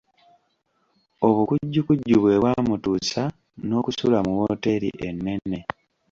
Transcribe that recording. Obukujjukujju bwe bwamutuusa n'okusula mu wooteri ennene.